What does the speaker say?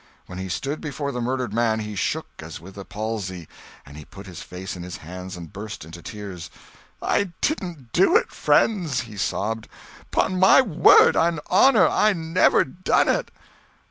When he stood before the murdered man, he shook as with a palsy, and he put his face in his hands and burst into tears. "I didn't do it, friends," he sobbed; "'pon my word and honor I never done it."